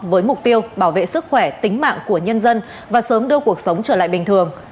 với mục tiêu bảo vệ sức khỏe tính mạng của nhân dân và sớm đưa cuộc sống trở lại bình thường